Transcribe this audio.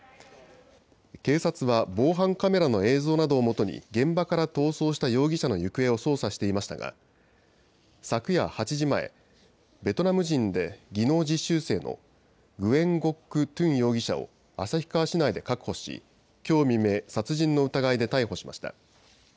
警察は防犯カメラの映像などをもとに現場から逃走した容疑者の行方を捜査していましたが昨夜８時前、ベトナム人で技能実習生のグエン・ゴック・トゥン容疑者を旭川市内で確保しきょう未明、殺人の疑いで逮捕しました。